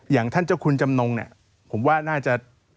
อย่างท่านเจ้าคุณจำนงเนี่ยผมว่าน่าจะ